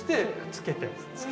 ◆つけて。